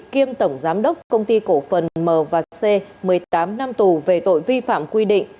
kiêm tổng giám đốc công ty cổ phần m và c một mươi tám năm tù về tội vi phạm quy định